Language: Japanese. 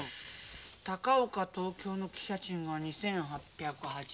高岡東京の汽車賃が２，８８０円。